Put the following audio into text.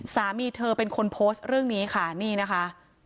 สามีเธอเป็นคนโพสต์เรื่องนี้ค่ะนี่นะคะ